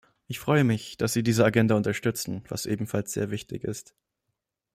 Ich freue mich, dass Sie diese Agenda unterstützen, was ebenfalls sehr wichtig ist.